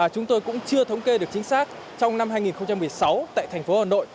chúng tôi cũng chưa thống kê được chính xác trong năm hai nghìn một mươi sáu tại thành phố hà nội